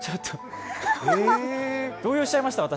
動揺しちゃいました、私。